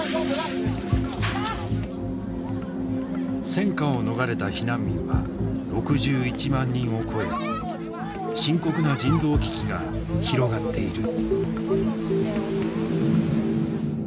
戦禍を逃れた避難民は６１万人を超え深刻な人道危機が広がっている。